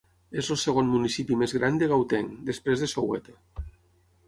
És el segon municipi més gran de Gauteng, després de Soweto.